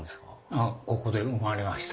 ああここで生まれました。